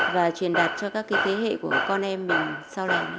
và truyền đạt cho các thế hệ của con em mình sau này